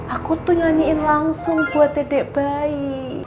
aku tuh nyanyiin langsung buat dedek bayi